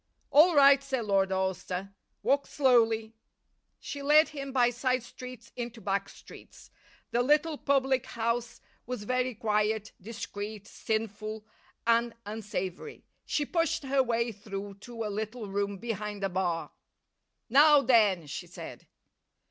"All right," said Lord Alcester. "Walk slowly." She led him by side streets into back streets. The little public house was very quiet, discreet, sinful and unsavoury. She pushed her way through to a little room behind the bar. "Now then," she said.